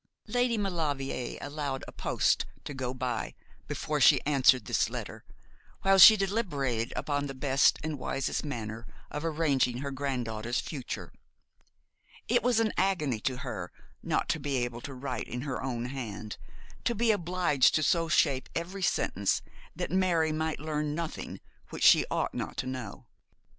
Lady Maulevrier allowed a post to go by before she answered this letter, while she deliberated upon the best and wisest manner of arranging her granddaughter's future. It was an agony to her not to be able to write with her own hand, to be obliged to so shape every sentence that Mary might learn nothing which she ought not to know.